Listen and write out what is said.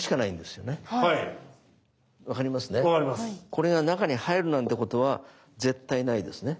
これが中に入るなんてことは絶対ないですね？